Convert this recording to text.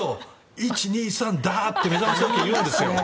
１、２、３、ダー！って目覚まし時計言うんですよ。